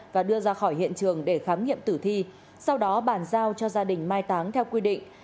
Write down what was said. và đưa ra khỏi hiện trường để khám nghiệm tử thi sau đó bàn giao cho gia đình mai táng theo quy định